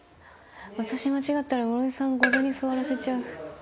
私間違ったら室井さんゴザに座らせちゃう